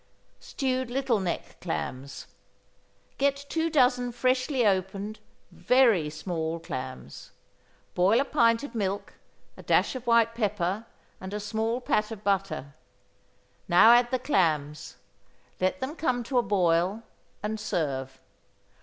=Stewed Little Neck Clams.= Get two dozen freshly opened, very small clams. Boil a pint of milk, a dash of white pepper, and a small pat of butter. Now add the clams. Let them come to a boil, and serve.